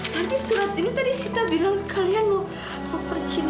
tapi surat ini tadi sita bilang kalian mau pergi